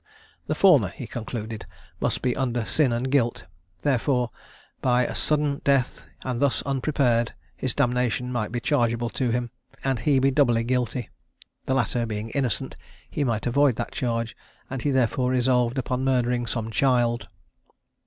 The former, he concluded, must be under sin and guilt; therefore by sudden death and thus unprepared, his damnation might be chargeable to him, and he be doubly guilty: the latter being innocent, he might avoid that charge, and he therefore resolved upon murdering some child.